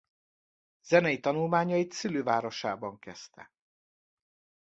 Zenei tanulmányait szülővárosában kezdte.